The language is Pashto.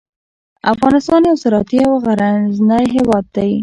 افغانستان یو زراعتي او غرنی هیواد دی.